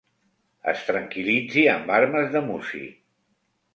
Es tranquil·litzi amb armes de músic.